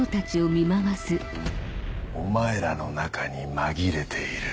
お前らの中に紛れている。